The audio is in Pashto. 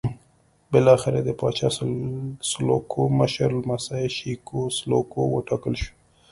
بالاخره د پاچا سلوکو مشر لمسی شېکو سلوکو وټاکل شو.